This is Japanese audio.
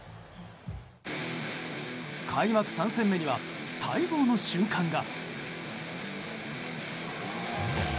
開幕３戦目には待望の瞬間が。